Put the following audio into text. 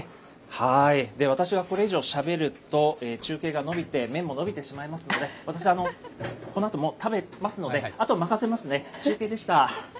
私はこれ以上しゃべると、中継が延びて、麺ものびてしまいますので、私、このあとも食べますので、あと任せますね。